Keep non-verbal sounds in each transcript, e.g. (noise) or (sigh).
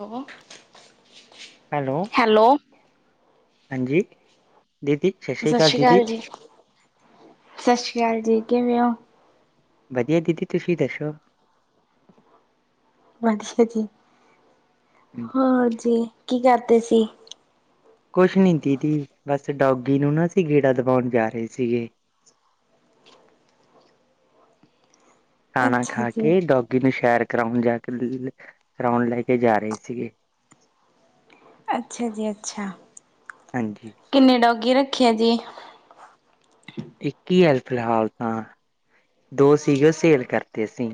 ਹੋ ਹੈਲੋ ਹਾਂਜੀ ਦੀਦੀ ਸਤਿ ਸ਼੍ਰੀ ਅਕਾਲ ਸਾਸੀ ਦੀਦੀ ਕਾਲ ਜੀ, ਸਾਸੀ ਕਾਲ ਜੀ ਕਿਵੇਂ ਓ ਵਧੀਆ ਦੀਦੀ ਤੁਸੀਂ ਦੱਸੋ ਬਸ ਵਧੀਆ (inaudible) ਹੋਰ ਜੀ ਕੀ ਕਰਦੇ ਸੀ ਕੁਛ ਨੀ ਦੀਦੀ ਬਸ ਡੋਗੀ ਨੂੰ ਨਾ ਅਸੀਂ ਗੇੜਾ ਦਵਾਉਣ ਜਾ ਰਹੇ ਸੀਗੇ ਖਾਣਾ ਅੱਛਾ ਖਾ ਜੀ। ਕੇ ਡੋਗੀ ਨੂੰ ਸੈਰ ਕਰਾਉਣ ਜਾ ਕੇ ਕਰਾਉਣ ਲੈ ਕੇ ਜਾ ਰਹੇ ਸੀਗੇ ਅੱਛਾ ਜੀ ਅੱਛਾ ਹਾਂਜੀ ਕਿੰਨੇ ਡੋਗੀ ਰੱਖੀ ਆ ਜੀ ਇੱਕ ਈ ਆ ਫਿਲਹਾਲ ਤਾਂ ਦੋ ਸੀਗੇ ਉਹ ਸੇਲ ਕਰਤੇ ਅਸੀਂ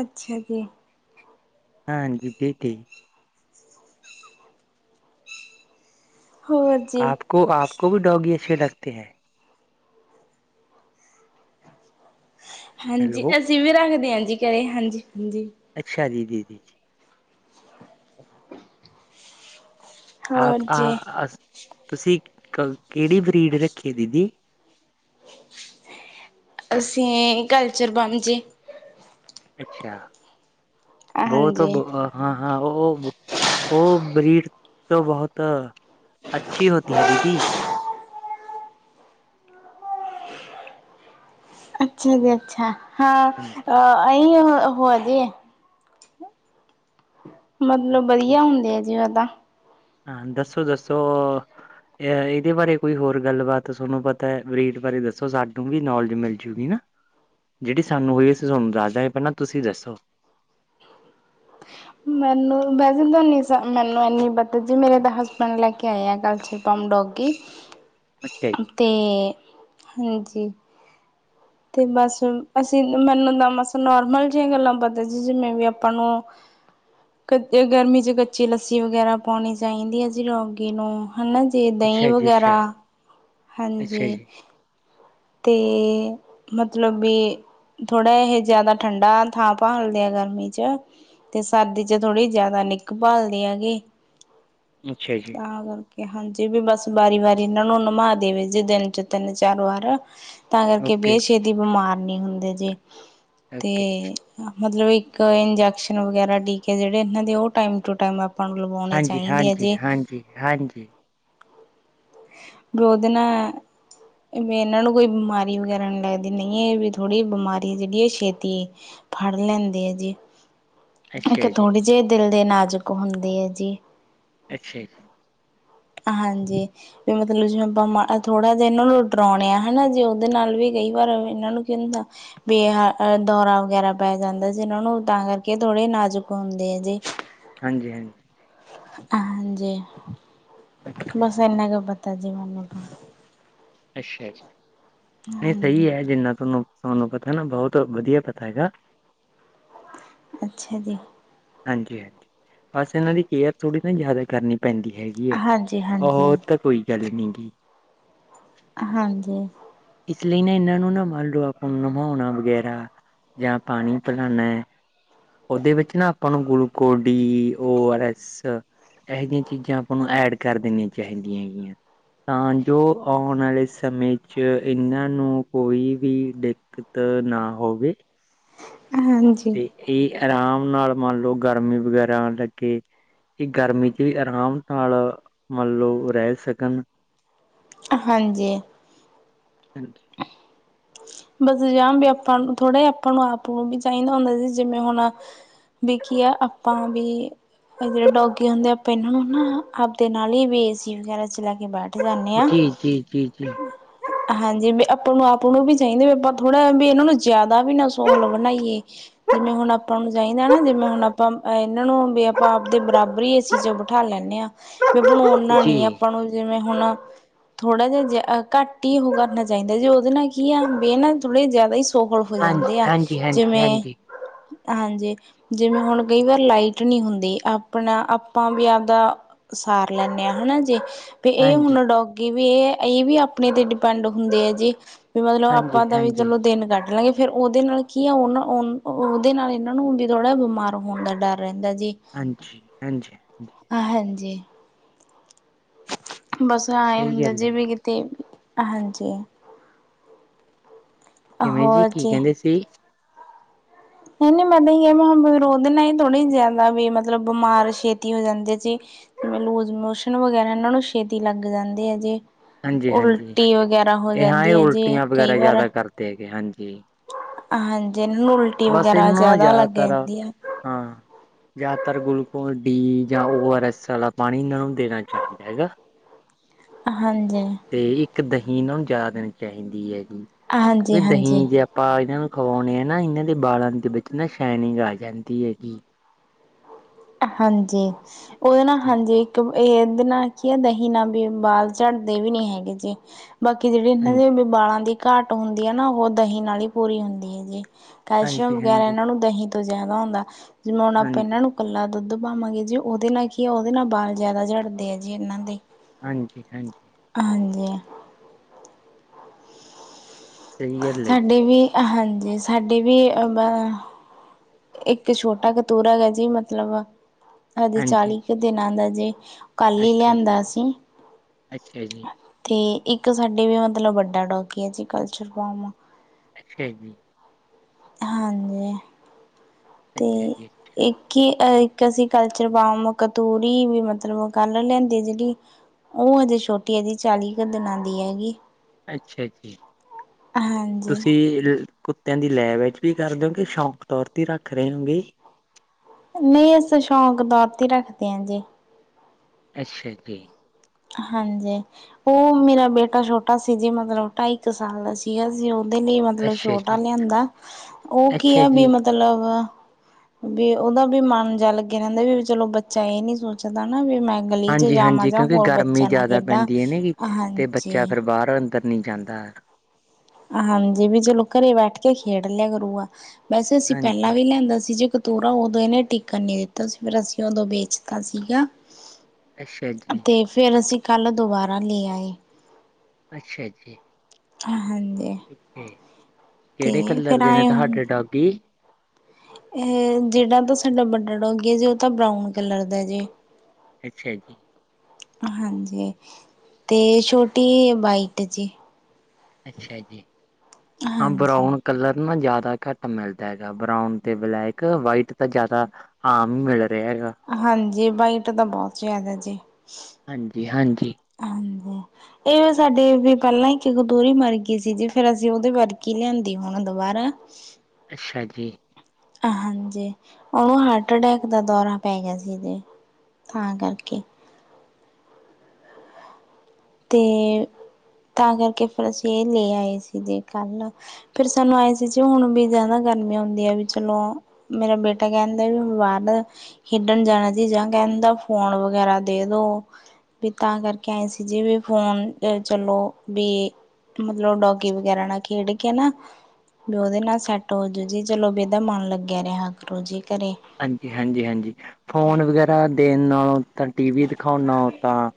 ਅੱਛਿਆ ਜੀ ਹਾਂਜੀ ਦੇ ਤੇ ਹੋਰ ਜੀ ਕੋ ਆਪ ਕੋ ਵੀ ਡੌਗੀ ਅੱਛੇ ਲਗਤੇ ਹੈ ਹਾਂਜੀ ਹੈਲੋ ਅਸੀਂ ਵੀ ਰੱਖਦੇ ਜੀ ਘਰੇ ਹਾਂਜੀ ਹਾਂਜੀ ਅੱਛਾ ਦੀਦੀ ਜੀ ਆਪ ਹੋਰ ਜੀ। ਆ ਤੁਸੀਂ ਕਿਹੜੀ ਬਰੀਡ ਰੱਖੀ ਦੀਦੀ ਅਸੀਂ ਕਲਚਰ ਬਮ ਜੀ ਅੱਛਾ ਬਹੁਤ ਹਾਂਜੀ ਬ ਹਾਂ ਹਾਂ ਉਹ ਉਹ ਬਰੀਡ ਤੋਂ ਬਹੁਤ ਅੱਛੀ ਹੋਤੀ ਹੈ ਦੀਦੀ ਅੱਛਾ ਜੀ ਅੱਛਾ ਹਾਂ ਹਾਂਜੀ ਅਹੀ ਹੋ ਜੇ ਮਤਲਬ ਵਧੀਆ ਹੁੰਦੇ ਆ ਜੀ ਉਹਦਾ ਹਾਂ ਦੱਸੋ ਦੱਸੋ ਅ ਇਹਦੇ ਬਾਰੇ ਕੋਈ ਹੋਰ ਗੱਲਬਾਤ ਸੋਨੂੰ ਪਤਾ ਬਰੀਡ ਬਾਰੇ ਦੱਸੋ ਸਾਨੂੰ ਵੀ ਨੌਲੇਜ ਮਿਲਜੂਗੀ ਨਾ ਜਿਹੜੀ ਸਾਨੂੰ ਹੋਈ ਅਸੀ ਤੁਹਾਨੂੰ ਦੱਸਦਾ, ਪਹਿਲਾਂ ਤੁਸੀਂ ਦੱਸੋ ਮੈਨੂੰ ਵੈਸੇ ਤੁਨ ਮੈਨੂੰ ਇਨੀ ਪਤਾ ਜੀ ਮੇਰੇ ਤਾਂ ਹਸਬੈਂਡ ਲੈ ਕੇ ਆਏ ਆ ਗੱਲ ਛੇ ਪਮ ਡੋਗੀ ਅੱਛਾ ਜੀ ਤੇ ਹਾਂਜੀ ਤੇ ਬਸ ਅਸੀਂ ਮੈਨੂੰ ਤਾਂ ਮਸਾਂ ਨੋਰਮਲ ਜਿਹੀਆਂ ਗੱਲਾਂ ਪਤਾ ਸੀ ਜਿਵੇਂ ਵੀ ਆਪਾਂ ਨੂੰ ਕਦੇ ਗਰਮੀ 'ਚ ਕੱਚੀ ਲੱਸੀ ਵਗੈਰਾ ਪਾਉਣੀ ਚਾਹੀਦੀ ਹੈ ਜੀ ਰੌਗੀ ਨੂੰ ਹਨਾ ਜੀ ਦਹੀਂ ਅੱਛਾ ਜੀ ਵਗੈਰਾ, ਅੱਛਾ ਅੱਛਾ ਹਾਂਜੀ ਜੀ ਤੇ ਮਤਲਬ ਵੀ ਥੋੜਾ ਇਹ ਜਿਆਦਾ ਠੰਡਾ ਥਾਂ ਥਾਂ ਹਲਦੇ ਆ ਗਰਮੀ 'ਚ ਤੇ ਸਰਦੀ 'ਚ ਥੋੜ੍ਹੀ ਜ਼ਿਆਦਾ ਨਿੱਘ ਭਾਲਦੀ ਹੈਗੀ ਅੱਛਾ ਜੀ ਤਾਂ ਕਰਕੇ। ਹਾਂਜੀ ਵੀ, ਬਸ ਵਾਰੀ-ਵਾਰੀ ਇਹਨਾਂ ਨੂੰ ਨਮਾ ਦੇਵੇ ਜੇ ਦਿਨ 'ਚ ਤਿੰਨ-ਚਾਰ ਵਾਰ। ਤਾਂ ਕਰਕੇ ਓਕੇ ਬੇ ਜੀ ਛੇਤੀ ਬਿਮਾਰ ਨੀਂ ਹੁੰਦੇ ਜੇ। ਤੇ ਓਕੇ ਮਤਲਬ ਇੱਕ ਇੰਜੈਕਸ਼ਨ ਵਗੈਰਾ, ਟੀਕੇ ਜਿਹੜੇ ਇਨਾਂ ਦੇ ਓ ਟਾਈਮ ਟੂ ਟਾਈਮ ਅਪ ਅਪਾਂ ਨੂੰ ਲਗਵਾਉਣੇ ਚਾਈਦੇ ਐ ਜੀ। ਜੀ ਹਾਂਜੀ। ਬ੍ਰੋਦਨ ਵੀ ਇਨਾਂ ਨੂੰ ਕੋਈ ਬਿਮਾਰੀ ਵਗੈਰਾ ਨੀਂ ਲੱਗਦੀ, ਨਹੀਂ ਇਹ ਵੀ ਥੋੜ੍ਹੀ ਬਿਮਾਰੀ ਜਿਹੜੀ ਏ ਛੇਤੀ ਫੜ ਲੈਂਦੇ ਜੀ। ਮੈ ਅੱਛਾ ਕਿਹਾ, ਜੀ ਥੋੜੇ ਜੇ ਦਿਲ ਦੇ ਨਾਜ਼ੁਕ ਹੁੰਦੇ ਐ ਜੀ। ਅੱਛਾ ਜੀ। ਹਾਂਜੀ। ਵੀ ਮਤਲਬ ਜਿਵੇਂ ਆਪਾਂ ਮਾੜਾ ਥੋੜਾ ਜਿਆ ਇੰਨਾਂ ਨੂੰ ਡਰੋਣੇ ਆ, ਹੈਨਾ ਜੀ। ਓਹਦੇ ਨਾਲ ਵੀ ਕਈ ਵਾਰ ਇੰਨਾਂ ਨੂੰ ਕਹਿੰਦਾ ਬਈ ਹਾਂ, ਅ ਦੌਰਾ ਵਗੈਰਾ ਪੈ ਜਾਂਦਾ ਜੀ ਇਨਾਂ ਨੂੰ ਤਾਂ ਕਰਕੇ ਥੋੜੇ ਨਾਜ਼ੁਕ ਹੁੰਦੇ ਆ ਜੀ। ਹਾਂਜੀ-ਹਾਂਜੀ। ਹਾਂਜੀ। ਓਕੇ। ਮੈਂ ਕਿਹਾ ਪਤਾ ਜੀ ਮੈਨੂੰ ਕਹਾਂ ਅੱਛਾ ਜੀ। ਨਹੀਂ ਹਾਂਜੀ ਸਹੀ ਹੈ, ਜਿੰਨਾ ਤੁਹਾਨੂੰ ਤੁਹਾਨੂੰ ਪਤਾ ਨਾ, ਬਹੁਤ ਵਧੀਆ ਪਤਾ ਹੈਗਾ। ਅੱਛਾ ਜੀ। ਹਾਂਜੀ-ਹਾਂਜੀ। ਬਸ ਇਹਨਾਂ ਦੀ ਕੇਅਰ ਥੋੜ੍ਹੀ ਨਾ ਜ਼ਿਆਦਾ ਕਰਨੀ ਪੈਂਦੀ ਹੈਗੀ। ਜੀ ਆਹ, ਹਾਂਜੀ ਹਾਂਜੀ ਓ ਤਾਂ ਕੋਈ ਗੱਲ ਨੀ ਗੀ। ਹਾਂਜੀ। ਇਸ ਲਈ ਨਾ ਇਹਨਾਂ ਨੂੰ ਨਾ ਮੰਨ ਲੋ ਆਪਾਂ ਨੂੰ ਨਭਾਉਣਾ ਵਗੈਰਾ। ਯਾ ਪਾਣੀ ਪਿਲਾਨਾ ਐ। ਉਹ ਦੇ ਵਿੱਚ ਨਾ ਆਪਾਂ ਨੂੰ gluco D O R S ਇਹੋ ਜਿਹੀਆਂ ਚੀਜ਼ਾਂ ਆ, ਪਾਂ ਨੂੰ ਐਡ ਕਰ ਦੇਣੀਆਂ ਚਾਹੀਦੀਆਂ ਹੈਗੀਆਂ। ਤਾਂ ਜੋ ਆਉਣ ਵਾਲੇ ਸਮੇਂ 'ਚ ਕਿ ਇਨਾਂ ਨੂੰ ਕੋਈ ਵੀ ਦਿੱਕਤ ਨਾ ਹੋਵੇ। ਹਾਂਜੀ। ਤੇ ਇਹ ਆਰਾਮ ਨਾਲ ਮੰਨ ਲੋ ਗਰਮੀ ਵਗੈਰਾ ਆਣ ਲੱਗੇ ਕਿ ਗਰਮੀ ਚ ਵੀ ਆਰਾਮ ਨਾਲ ਮੰਨ ਲਓ ਰਹਿ ਸਕਣ। ਹਾਂਜੀ। ਹਾਂਜੀ। ਬਸ ਜਾ ਵੀ ਆਪਾਂ ਨੂੰ ਥੋੜਾ ਆਪਾਂ ਨੂੰ, ਆਪ ਨੂੰ ਵੀ ਚਾਹੀਦਾ ਹੁੰਦਾ ਸੀ ਜਿਵੇਂ ਹੁਣ। ਵੇਖਿਆ ਆਪਾਂ ਵੀ ਇਹ ਜਿਹੜੇ ਡੋਗੇ ਹੁੰਦੇ ਆ ਆਪਾਂ ਇਹਨਾਂ ਨੂੰ ਨਾ ਆਪਦੇ ਨਾਲ ਹੀ ਵੀ ਏਸੀ ਵਗੈਰਾ 'ਚ ਲੈ ਕੇ ਬੈਠ ਜਾਂਦੇ ਹਾਂ, ਜੀ ਜੀ ਜੀ ਜੀ ਜੀ ਹਾਂਜੀ ਆਪਾਂ ਨੂੰ ਆਪ ਆਪਾਂ ਨੂੰ ਵੀ ਚਾਹੀਦੇ ਵੀ ਆਪਾਂ ਥੋੜ੍ਹਾ ਵੀ ਇਹਨਾਂ ਨੂੰ ਜ਼ਿਆਦਾ ਵੀ ਨਾ ਸੋਹਲ ਬਣਾਈਏ। ਜਿਵੇਂ ਹੁਣ ਆਪਾਂ ਨੂੰ ਚਾਹੀਦਾ ਨਾ ਜਿਵੇਂ ਹੁਣ ਆਪਾਂ ਇਹਨਾਂ ਨੂੰ ਵੀ ਆਪਾਂ ਆਪਦੇ ਬਰਾਬਰ ਹੀ ਇਹ ਚੀਜ਼ਾਂ ਬਿਠਾ ਲੈਂਦੇੇ ਹਾਂ। ਵੀ ਬਣੋਨ ਓਨਾ ਨੀ ਆ ਆਪਾਂ ਨੂੰ ਜਿਵੇਂ ਹੁਣ ਥੋੜਾ ਜਿਹਾ ਜ ਘੱਟ ਹੀ ਉਹ ਕਰਨਾ ਚਾਹੀਦਾ ਜੇ ਉਹਦੇ ਨਾਲ ਕੀ ਆ ਬੇ ਨਾ ਥੋੜੇ ਜ਼ਿਆਦਾ ਹੀ ਸੋਹਲ ਹੋ ਹਾਂਜੀ ਜਾਂਦੇ ਆ ਹਾਂਜੀ ਹਾਂਜੀ ਜਿਵੇਂ ਹਾਂਜੀ ਹਾਂਜੀ। ਜਿਵੇਂ ਹੁਣ ਕਈ ਵਾਰ ਲਾਈਟ ਨੀ ਹੁੰਦੀ ਆਪਣਾ ਆਪਾਂ ਵੀ ਆਪਦਾ ਸਾਰ ਲੈਂਦੇ ਆ ਹਨਾ ਜੇ। ਵੀ ਇਹ ਹਾਂਜੀ ਹੁਣ ਡੋਗੀ ਵੀ ਇਹ ਵੀ ਆਪਣੇ ਤੇ ਡਿਪੈਂਡ ਹੁੰਦੇ ਹੈ ਜੀ। ਵੀ ਮਤਲਬ ਹਾਂਜੀ ਆਪਾਂ ਦਾ ਵੀ ਹਾਂਜੀ ਚਲੋ ਦਿਨ ਕੱਟ ਲਾਂਗੇ। ਫੇਰ ਉਹਦੇ ਨਾਲ ਕੀ ਆ। ਉਹਨਾਂ ਉਹਦੇ ਨਾਲ ਇਹਨਾਂ ਨੂੰ ਵੀ ਥੋੜ੍ਹਾ ਜਿਹਾ ਬਿਮਾਰ ਹੋਣ ਦਾ ਡਰ ਰਹਿੰਦਾ ਜੀ। ਹਾਂਜੀ, ਹਾਂਜੀ। ਹਾਂਜੀ ਹਾਂਜੀ। ਬੱਸ ਆਏ ਸਹੀ ਹੁੰਦਾ, ਗੱਲ ਹੈ ਜੀ ਜੇਵੇ ਕਿਤੇ, ਹਾਂਜੀ। ਕਿਵੇਂ ਜੀ, ਕੀ ਕਹਿੰਦੇ ਸੀ? ਹਣੀ ਮੈਂ ਨਈ ਐ ਮ ਰੋਦ ਨਾ ਏ ਥੋੜ੍ਹੀ ਜਿਆਦਾ, ਵੀ ਮਤਲਬ ਬਿਮਾਰ ਛੇਤੀ ਹੋ ਜਾਂਦੇ ਸੀ ਜਿਵੇਂ ਲੂਜ ਮੋਸ਼ਨ ਵਗੈਰਾ, ਇਹਨਾਂ ਨੂੰ ਛੇਤੀ ਲੱਗ ਜਾਂਦੇ ਐ ਜੇ। ਹਾਂਜੀ ਹਾਂਜੀ ਉਲਟੀ ਵਗੈਰਾ ਹੋ ਜਾਂਦੀ ਐ ਜੇ, ਕਈ ਵਾਰ 'ਤੇ ਕੇ, ਹਾਂਜੀ। ਹਾਂਜੀ, ਇਹਨਾਂ ਨੂੰ ਉਲਟੀ ਬਸ ਵਗੈਰਾ ਇਹਨਾਂ ਨੂੰ ਜਿਆਦਾ ਲੱਗ ਜਾਂਦੀ ਆ। ਜ਼ਿਆਦਤਰ ਗਲੂਕੋਨ ਡੀ, ਜਾਂ ਓ ਆਰ ਐਸ ਆਲਾ ਪਾਣੀ, ਇਹਨਾਂ ਨੂੰ ਦੇਣਾ ਚਾਹੀਦਾ ਹੈਗਾ। ਹਾਂ ਜੀ। 'ਤੇ ਇੱਕ, ਦਹੀਂ ਇਹਨਾਂ ਨੂੰ ਜ਼ਿਆਦਾ ਦੇਣੀ ਚਾਹੀਦੀ ਹੈਗੀ, ਹਾਂਜੀ ਹਾਂਜੀ ਦਹੀਂ ਜੇ ਪਾਂ ਇਹਨਾਂ ਨੂੰ ਖਵਾਉਣੇ ਆ ਨਾ, ਇਹਨਾਂ ਦੇ ਬਾਲਾਂ ਦੇ ਵਿੱਚ ਨਾ, ਸ਼ਾਈਨਿੰਗ ਆ ਜਾਂਦੀ ਐਗੀ। ਹਾਂਜੀ, ਉਹਦੇ ਨਾਅ ਹਾਂਜੀ ਇੱਕ ਇਹ ਇਹਦੇ ਨਾਲ ਕੀ ਐ, ਦਹੀਂ ਨਾਅ ਵੀ ਬਾਲ ਝੜਦੇ ਵੀ ਨੀ ਹੈਗੇ ਜੀ, ਬਾਕੀ ਜਿਹੜੇ ਇਹਨਾਂ ਹਾਂਜੀ, ਦੇ ਬਾਲਾਂ ਦੀ ਘਾਟ ਹੁੰਦੀ ਆ ਨਾ, ਉਹ ਦਹੀਂ ਨਾਲ ਈ ਪੂਰੀ ਹੁੰਦੀ ਆ ਗੀ। ਕੈਲਸ਼ੀਅਮ ਵਗੈਰਾ ਹਾਂਜੀ, ਇਹਨਾਂ ਨੂੰ ਦਹੀਂ ਤੋਂ ਜ਼ਿਆਦਾ ਹੁੰਦਾ, ਜਿਵੇ ਹੁਣ ਆਪਾਂ ਇਹਨਾਂ ਹਾਂਜੀ, ਨੂੰ ਕੱਲਾ ਦੁੱਧ ਪਾਵਾਂਗੇ ਜੀ, ਉਹਦੇ ਨਾ ਕੀ ਆ ਉਹਦੇ ਨਾ ਬਾਲ ਜ਼ਿਆਦਾ ਝੜਦੇ ਆ ਜੀ, ਇਹਨਾਂ ਦੇ। ਹਾਂਜੀ-ਹਾਂਜੀ। ਹਾਂਜੀ। ਸਹੀ ਗੱਲ ਹੈ ਜੀ, ਸਾਡੀ ਵੀ, ਹਾਂਜੀ, ਸਾਡੇ ਵੀ ਅ ਬ ਇੱਕ ਛੋਟਾ ਕਤੂਰਾ ਗਾ ਜੀ ਮਤਲਬ, ਹਜੇ ਹਾਂਜੀ, ਚਾਲੀ 'ਕ ਦਿਨਾਂ ਦਾ ਜੀ। ਕੱਲ ਈ ਅੱਛਾ ਜੀ, ਲਿਆਂਦਾ ਸੀ। ਅੱਛਾ ਜੀ, 'ਤੇ ਇੱਕ ਸਾਡੇ ਵੀ ਮਤਲਬ, ਵੱਡਾ ਡੋਗੀ ਆ ਜੀ ਕਲਚਰ ਫੋਮ। ਛਾ ਜੀ। ਹਾਂਜੀ। 'ਤੇ ਅੱਛਾ ਜੀ, ਈ ਕਿ ਇੱਕ ਅਸੀਂ ਕਲਚਰ ਬਾਮ, ਕਤੂਰੀ ਵੀ ਮਤਲਬ ਕੱਲ ਲਿਆਂਦੀ ਜਿਹੜੀ ਉਹ ਹਜੇ ਛੋਟੀ ਏ ਜੀ, ਚਾਲੀ 'ਕ ਦਿਨਾਂ ਦੀ ਐਗੀ। ਅੱਛਾ ਜੀ, ਹਾਂਜੀ ਤੁਸੀਂ ਕੁੱਤਿਆਂ ਦੀ ਲੈ ਵਿੱਚ ਵੀ ਕਰਦੇਓਗੇ, ਸ਼ੌਕ ਤੌਰ 'ਤੇ ਰੱਖ ਰੇ ਹੋਗੇ? ਨਈ, ਅਸੀਂ ਤ ਸ਼ੌਕ ਤੌਰ 'ਤੇ ਰੱਖਦੇ ਆ ਜੀ। ਅੱਛਾ ਜੀ। ਹਾਂਜੀ। ਉਹ ਮੇਰਾ ਬੇਟਾ ਛੋਟਾ ਸੀ ਜੀ, ਮਤਲਬ ਢਾਈ 'ਕ ਸਾਲ ਦਾ ਸੀਗਾ ਸੀ। ਉਹ ਉਹਦੇ ਲਈ ਮਤਲਬ ਅੱਛਾ ਛੋਟਾ ਜੀ। ਲਿਆਂਦਾ, ਉਹ ਕੀ ਅੱਛਾ ਆ ਵੀ ਜੀ, ਮਤਲਬ ਵੀ ਉਹਦਾ ਵੀ ਮਨ ਜਾ ਲੱਗਿਆ ਰਹਿੰਦਾ, ਵੀ ਚਲੋ ਬੱਚਾ ਇਹ ਨੀ ਸੋਚਦਾ ਨਾ ਵੀ ਮੈਂ ਗਲੀ 'ਚ ਜਾਵਾ ਹਾਂਜੀ-ਹਾਂਜੀ ਜਾ ਕਿਉਂਕਿ ਗਰਮੀ ਜਿਆਦਾ ਪੈਂਦੀ ਐ ਨਾ ਗੀ, 'ਤੇ ਬੱਚਾ ਹਾਂਜੀ ਫੇਰ ਬਾਰ ਅੰਦਰ ਨੀ ਜਾਂਦਾ। ਹਾਂਜੀ, ਵੀ ਚਲੋ ਘਰੇ ਬੈਠ ਕੇ ਖੇਡ ਲਿਆ ਕਰੂਗਾ, ਵੈਸੇ ਅਸੀਂ ਪਹਿਲਾਂ ਹਾਂਜੀ ਵੀ ਲਿਆਂਦਾ ਸੀ ਜੀ ਕੁ ਤੂਰਾ, ਉਦੋਂ ਇਹਨੇ ਟਿੱਕਣ ਨੀ ਦਿੱਤਾ ਸੀ, ਫੇਰ ਅਸੀਂ ਉਦੋਂ ਵੇਚਤਾ ਸੀਗਾ। ਅੱਛਾ ਜੀ। 'ਤੇ ਫੇਰ, ਅਸੀਂ ਕੱਲ ਦੁਬਾਰਾ ਲੈ ਆਏ। ਅੱਛਾ ਜੀ। ਹ, ਹਾਂਜੀ। ਤੇ ਕਿਹੜੇ ਕਲਰ ਫੇਰ ਦੇ ਨੇ, ਆਏ ਹੁਣ ਤੁਹਾਡੇ ਡੌਗੀ? ਇਹ ਜਿਹੜਾ ਤਾਂ ਸਾਡਾ ਵੱਡਾ ਡੋਗੀ ਆ ਜੀ ਉਹ ਤਾਂ ਬਰਾਊਨ ਕਲਰ ਦਾ ਜੀ। ਅੱਛਾ ਜੀ। ਹਾਂਜੀ 'ਤੇ ਛੋਟੀ ਬਾਈਟ ਜੀ। ਅੱਛਾ ਜੀ, ਆ ਹਾਂਜੀ, ਬਰਾਊਨ ਕਲਰ ਨਾ ਜ਼ਿਆਦਾ ਘੱਟ ਮਿਲਦਾ ਹੈਗਾ ਬਰਾਊਨ 'ਤੇ ਬਲੈਕ, ਵਾਈਟ ਤਾਂ ਜ਼ਿਆਦਾ ਆਮ‌ ਮਿਲ ਰੇਆ ਹੈਗਾ। ਹਾਂਜੀ ਬਾਈਟ ਤਾਂ ਬੋਤ ਜ਼ਿਆਦਾ ਜੀ, ਹਾਂਜੀ-ਹਾਂਜੀ, ਹਾਂਜੀ। ਇਹ ਸਾਡੇ ਵੀ ਪੈਲਾਂ ਹੀ ਇੱਕ ਦੋਰੀ ਮਰ ਗਈ ਸੀ, ਜੀ ਫੇਰ ਅਸੀਂ ਉਹਦੇ ਵਰ ਗੀ ਲਿਆਂਦੇ। ਦੀ ਹੁਣ ਦੁਬਾਰਾ। ਅੱਛਾ ਜੀ। ਹਾਂਜੀ, ਉਹਨੂੰ ਹਾਰਟ ਅਟੈਕ ਦਾ ਦੌਰਾ ਪੈ ਗਿਆ, ਸੀਦੇ ਤਾ ਕਰਕੇ। ਤੇ ਤਾਂ ਕਰਕੇ ਫਿਰ, ਅਸੀਂ ਇਹ ਲੈ ਆਏ ਸੀ ਜੇ ਕੱਲ੍ਹ। ਫੇਰ ਸਾਨੂੰ ਆਏ ਸੀ ਜ ਹੁਣ ਵੀ ਜ਼ਿਆਦਾ ਗਰਮੀ, ਹੁੰਦੀ ਹੈ ਵੀ ਚਲੋ। ਮੇਰਾ ਬੇਟਾ ਕਹਿੰਦਾ ਵੀ ਬਾਹਰ ਦਾ। ਖੇਡਣ ਜਾਣਾ ਜੀ ਜਾਂ ਕਹਿੰਦਾ ਫੋਨ ਵਗੈਰਾ ਦੇ ਦੋ। ਵੀ ਤਾਂ ਕਰਕੇ ਐਂ ਸੀ ਜਿਵੇਂ। ਫੋਨ ਚਲੋ ਵੀ ਮਤਲਬ, ਡੋਗੀ ਵਗੈਰਾ ਨਾਲ ਖੇਡ ਕੇ ਨਾ। ਵੀ ਉਹਦੇ ਨਾਲ ਸੈੱਟ ਹੋਜੂ ਜੀ, ਚਲੋ ਵੀ ਇਹਦਾ ਮਨ ਲੱਗਿਆ ਰਿਹਾ ਕਰੂ ਜੀ ਘਰੇ। ਹਾਂਜੀ -ਹਾਂਜੀ- ਹਾਂਜੀ। ਫੋਨ ਵਗੈਰਾ ਦੇਣ ਨਾਲੋਂ, ਤਾਂ ਟੀ ਵੀ ਦਿਖਾਣ ਨਾਲੋ ਤਾਂ।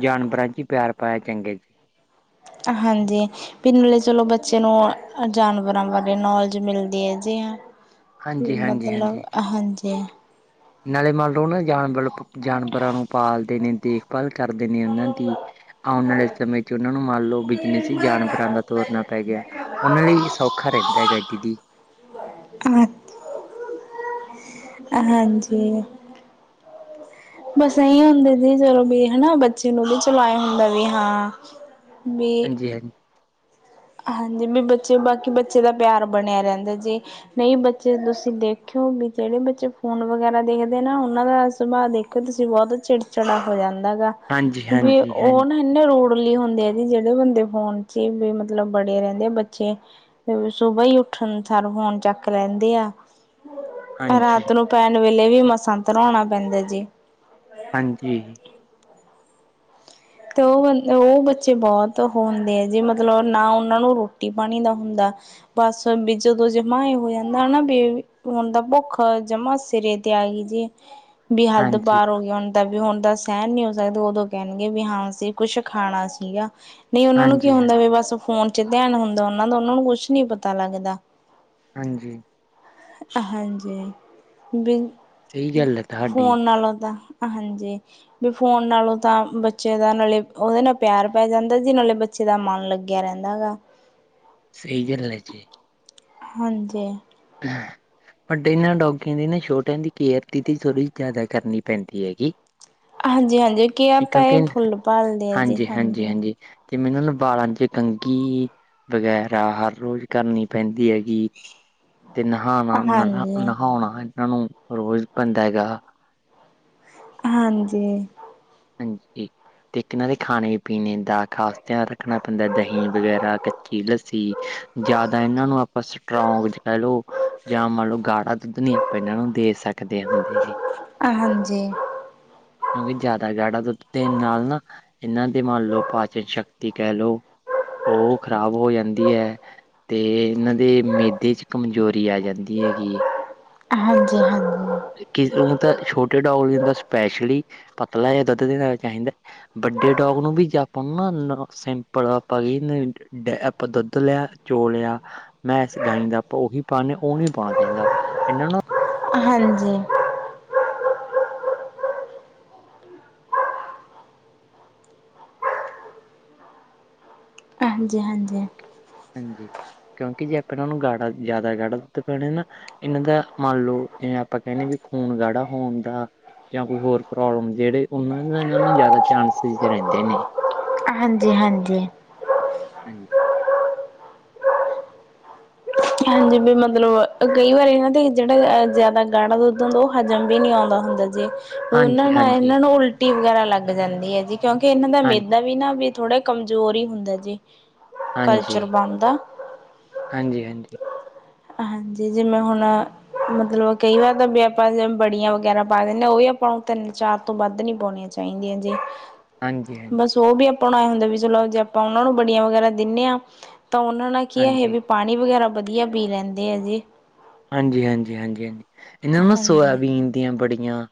ਜਾਨਵਰਾਂ ਚ ਹੀ ਪਿਆਰ ਪਾਇਆ ਚੰਗੇ। ਹਾਂਜੀ। ਪਿੰਨਲੇ ਚਲੋ ਬੱਚੇ ਨੂੰ ਜਾਨਵਰਾਂ ਬਾਰੇ, ਨੌਲੇਜ ਮਿਲਦੀ ਹੈ ਜੀ। ਵੀ ਮਤਲਬ ਹਾਂਜੀ-ਹਾਂਜੀ-ਹਾਂਜੀ। ਹਾਂਜੀੇ। ਨਾਲੇ ਮਲ ਰ ਉਹਨਾਂ ਜਾਨਵਰ- ਜਾਨਵਰਾਂ ਨੂੰ ਪਾਲਦੇ, ਨੇ ਦੇਖਭਾਲ ਕਰਦੇ ਨੇ ਉਹਨਾਂ ਦੀ। ਆਉਣ ਵਾਲੇ ਸਮੇਂ ਉਹਨਾਂ ਨੂੰ ਮੰਨ ਲਓ, ਬਿਜਨਸੀ ਜਾਨਵਰਾਂ ਦਾ ਤੋਰਨਾ ਪੈ ਗਿਆ। ਉਹਨਾਂ ਲਈ ਸੌਖਾ ਰਹਿੰਦਾ ਹੈਗਾ ਦੀਦੀ। ਅ। ਹਾਂਜੀ। ਬਸ ਇਹੀ ਹੁੰਦੇ ਸੀ, ਚਲੋ ਵੀ ਹਨਾ ਬੱਚੇ ਨੂੰ ਵੀ ਚਲਾਇਆ ਹੁੰਦਾ ਵੀ ਹਾਂ। ਵੀ ਹਾਂਜੀ- ਹਾਂਜੀ। ਹਾਂਜੀ ਵੀ ਬੱਚੇ ਬਾਕੀ ਬੱਚੇ ਦਾ, ਪਿਆਰ ਬਣਿਆ ਰਹਿੰਦਾ ਜੇ। ਨਹੀਂ ਬੱਚੇ ਤੁਸੀਂ ਦੇਖਿਓ ਵੀ, ਜਿਹੜੇ ਬੱਚੇ ਫੋਨ ਵਗੈਰਾ ਦੇਖਦੇ ਨਾ ਉਹਨਾਂ ਦਾ ਸੁਭਾਅ ਦੇਖ। ਤੁਸੀਂ ਬੋਤ ਚਿੜਚਿੜਾ ਹੋ ਜਾਂਦਾ ਗਾ। ਵੀ ਉਹ ਹਾਂਜੀ-ਹਾਂਜੀ-ਹਾਂਜੀ। ਨਾ ਇਨੇ ਰੂਡਲੀ ਹੁੰਦੇ, ਆ ਜੀ ਜਿਹੜੇ ਬੰਦੇ ਫੋਨ ਚ ਹੀ ਵੀ। ਮਤਲਬ ਬੜੇ ਰਹਿੰਦੇ, ਆ ਬੱਚੇ ਸੁਬਾ ਹੀ ਉੱਠਣ ਸਾਰ ਫੋਨ ਚੱਕ ਲੈਂਦੇ ਆ। ਰਾਤ ਹਾਂਜੀ-ਹਾਂਜੀ-ਹਾਂਜੀ, ਨੂੰ ਪੈਣ ਵੇਲੇ ਵੀ ਮਸਾਂ ਧਰਾਣਾ ਪੈਂਦਾ ਜੀ। ਹਾਂਜੀ। ਤੇ ਉਹ ਬ ਉਹ ਬੱਚੇ ਬੋਤ ਓ ਹੁੰਦੇ, ਆ ਜੇ ਮਤਲਬ ਨਾ ਉਹਨਾਂ ਨੂੰ ਰੋਟੀ ਪਾਣੀ ਦਾ ਹੁੰਦਾ‌। ਬਸ ਵੀ ਜਦੋਂ ਜਮਾ ਇਹ ਹੋ ਜਾਂਦਾ ਹਨਾ, ਵੀ ਹੁਣ ਦਾ ਭੁੱਖ ਜਮਾ ਸਿਰੇ ਤੇ ਆ ਗਈ ਜੇ। ਵੀ ਹਦ ਹਾਂਜੀ ਹਾਂਜੀ ਹਾਂਜੀ ਹਾਂਜੀ ਪਾਰ ਹੋ ਗਿਆ, ਹੁਣ ਦਾ ਵੀ ਹੁਣ ਤਾਂ ਸੈਣ ਨੀ ਹੋ ਸਕਦਾ ਉਦੋਂ ਕਹਿਣਗੇ। ਵੀ ਹਾਂ ਅਸੀ ਕੁੱਛ ਖਾਣਾ ਸੀਗਾ, ਨਹੀਂ ਉਹਨਾਂ ਨੂੰ ਕੀ ਹੁੰਦਾ ਹਾਂਜੀ ਵੀ ਬਸ ਫੋਨ। ਚ ਧਿਆਨ ਹੁੰਦਾ, ਉਹਨਾਂ ਦਾ ਉਹਨਾਂ ਨੂੰ ਕੁਛ ਨੀ ਪਤਾ ਲੱਗਦਾ। ਹਾਂਜੀ। ਹਾਂਜੀ ਬ ਸਹੀ ਗੱਲ ਹੈ ਤੁਹਾਡੀ ਫੋਨ ਨਾਲੋਂ ਤਾਂ। ਹਾਂਜੀ ਬੀ ਫ਼ੋਨ ਨਾਲੋਂ ਤਾਂ ਬੱਚੇ ਦਾ ਨਾਲ਼ੇ ਉਹਦੇ ਨਾਲ ਪਿਆਰ ਪੈ ਜਾਂਦਾਂ ਜੀ ਨਾਲ਼ੇ ਬ ਬੱਚੇ ਦਾ ਮਨ ਲੱਗਿਆਂ ਰਹਿੰਦਾਂ ਹਗਾ। ਫਰੀ ਚਲੇ ਜੇ ਹਾਂਜੀ। (inaudible) ਬਟ ਇਹਨਾਂ ਡੋਗੀਆਂ ਦੀ ਨਾ ਛੋਟਿਆਂ ਦੀ ਕੇਅਰ ਦੀਦੀ ਥੋੜ੍ਹੀ ਜ਼ਿਆਦਾ ਕਰਨੀ ਪੈਂਦੀ ਹੈਗੀ। ਹਾਂਜੀ -ਹਾਂਜੀ, ਕੇਅਰ ਤਾਂ ਕਿਉਂਕਿ ਇਹ ਫੁੱਲ ਭਾਲਦੇ ਆ ਜੀ ਹਾਂਜੀ। ਤੇ ਮੈਂਨੂੰ ਨਾ ਬਾਲਾਂ ਚ ਕੰਘੀ ਵਗ਼ੈਰਾ ਹਰ ਰੋਜ਼ ਕਰਨੀ ਪੈਂਦੀ ਹੈਗੀ। ਤੇ ਨਹਾਣਾ ਨ ਹਾਂਜੀ ਨਹਾਉਣਾ ਇਹਨਾਂ ਨੂੰ ਰੋਜ਼ ਪੈਂਦਾਂ ਹੈਗਾ। ਹਾਂਜੀ। ਹਾਂਜੀ ਤੇ ਇਕ ਇਹਨਾਂ ਦੇ ਖਾਂਣੇ ਪੀਣੇ ਦਾ ਖ਼ਾਸ ਧਿਆਨ ਰੱਖਣਾ ਪੈਂਦਾ ਦਹੀਂ ਵਗ਼ੈਰਾ ਕੱ ਚੀ ਲੱਸੀ ਜ਼ਿਆਦਾ ਇਹਨਾਂ ਨੂੰ ਆਪਾਂ ਸਟਰੋਂਗ ਕਹਿ ਲਓ। ਜਾਂ ਮੰਨ ਲਓ ਗਾੜਾ ਦੁੱਧ ਨੀਂ ਆਪਾਂ ਇਹਨਾਂ ਨੂੰ ਦੇ ਸਕਦੇ ਹੁੰਦੇ ਜੀ। ਅ ਹਾਂਜੀ ਉਹ ਵੀ ਜਿਆ -ਆਦਾ ਗਾੜਾ ਦੁੱਧ ਦੇਣ ਨਾਲ ਨਾ, ਇਹਨਾਂ ਦੀ ਮੰਨ ਲੋ ਪਾਚਨ ਸ਼ਕਤੀ ਕਹਿ ਲੋ ਓ ਖਰਾਬ ਹੋ ਜਾਂਦੀ ਐ। ਤੇ ਇਹਨਾਂ ਦੇ ਮੇਦੇ ਚ ਕਮਜ਼ੋਰੀ ਆ ਜਾਂਦੀ ਹੈਗੀ ਏ। ਹਾਂਜੀ- ਹਾਂਜੀ। ਕਿਸੇ ਨੂੰ ਤਾਂ ਛੋਟੇ ਡੋਗ ਨੂੰ ਓਦਾ ਸਪੈਸ਼ਲੀ, ਪਤਲਾ ਜਾਂ ਦੁੱਧ ਦੇਣਾ ਚਾਹੀਂਦਾ। ਵੱਡੇ ਡੋਗ ਨੂੰ ਵੀ ਜੇ ਆਪਾਂ ਨੂੰ ਨਾ ਸਿੰਪਲ ਆਪਾਂ, ਕਹੀਏ ਡ ਆਪਾਂ ਦੁੱਧ ਲਿਆ ਚੋ ਲਿਆ, ਮੈਂ ਇਸ ਗਾਈ ਦਾ ਭੋਗ ਹੀ ਪਾਨੇ ਉਹ ਨਈ ਪਾਣਾ ਚਾਹੀਦਾ ਇਹਨਾਂ ਨੂੰ ਹਾਂਜੀ। ਹਾਂਜੀ- ਹਾਂਜੀ। ਹਾਂਜੀ, ਕਿਉਂਕਿ ਜੇ ਆਪੜਾ ਉਹਨੂੰ ਗਾੜਾ ਜ਼ਿਆਦਾ ਗਾੜਾ ਦੁੱਧ ਪਿਓਨੇ ਨਾ ਇਹਨਾਂ ਦਾ ਮੰਨ ਲੋ, ਜਿਵੇਂ ਆਪਾਂ ਕਹਿੰਨੇ ਵੀ ਖ਼ੂਨ ਗਾੜਾ ਹੋਣ ਦਾ ਜਾਂ ਕੋਈ ਹੋਰ ਪ੍ਰੋਬਲਮ ਜਿਹੜੇ ਉਹਨਾਂ ਨੂੰ ਨਾ ਜ਼ਿਆਦਾ ਚਾਂਨਸੇਸ ਰਹਿੰਦੇਂ ਨੇ ਹਾਂਜੀ- ਹਾਂਜੀ। ਹਾਂਜੀ। ਹਾਂਜੀ ਵੀ ਮਤਲੱਬ ਕਈ ਵਾਰੀ ਇਹਨਾਂ ਦੇ ਜਿਹੜਾ ਜ਼ਿਆਦਾ ਗਾੜਾ ਦੁੱਧ ਹੁੰਦਾ ਉਹ ਹਜ਼ਮ ਵੀ ਨੀਂ ਆਉਂਦਾ ਹੁੰਦਾ ਜੀ ਹਾਂਜੀ ਉਹਨਾਂ ਨਾਲ ਹਾਂਜੀ ਇਹਨਾਂ ਨੂੰ ਉਲਟੀ ਵਗੈਰਾ ਲੱਗ ਜਾਂਦੀ ਹੈ ਜੀ, ਕਿਉਂਕਿ ਇਹਨਾਂ ਦਾ ਹਾਂਜੀ ਮੇਦਾ ਵੀ ਨਾ ਥੋੜੇ ਕਮਜ਼ੋਰ ਈ ਹੁੰਦਾ ਜੀ। ਹਾਂਜੀ, ਕਲਚਰ ਬਣਦਾ ਹਾਂਜੀ‌-ਹਾਂਜੀ। ਹਾਂਜੀ ਜਿਵੇਂ ਹੁਣ ਮਤਲੱਬ ਕਈ ਵਾਰ ਤਾਂ ਵੇ ਆਪਾਂ ਬੜੀਆਂ ਵਗੈਰਾ ਪਾ ਦਿੰਦੇ ਹਾਂ ਉਹ ਵੀ ਆਪਾਂ ਨੂੰ ਤਿੰਨ-ਚਾਰ ਤੋਂ ਵੱਧ ਨੀ ਪਾਉਣੀਆ ਚਾਹੀਦੀਆਂ ਜੀ। ਹਾਂਜੀ ਹਾਂਜੀ ਬਸ ਉਹ ਵੀ ਆਪਾਂ ਨੂੰ ਐ ਹੁੰਦੇ ਵੇ ਚਲੋ ਜੇ ਆਪਾਂ ਉਹਨਾਂ ਨੂੰ ਬੜੀਆਂ ਵਗੈਰਾ ਦਿੰਨੇ ਆ ਤਾਂ ਉਹਨਾਂ ਨਾਲ ਕੀ ਇਹ ਹਾਂਜੀ ਵੀ ਪਾਣੀ ਵਗੈਰਾ ਵਧੀਆ ਪੀ ਲੈਂਦੇ ਐ ਜੀ। ਹਾਂਜੀ-ਹਾਂਜੀ, ਹਾਂਜੀ- ਹਾਂਜੀ ਇਹਨਾਂ ਨੂੰ ਨਾ ਹਾਂਜੀ ਸੋਇਆਬੀਨ ਦੀਆਂ ਬੜੀਆਂ